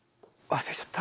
忘れちゃった？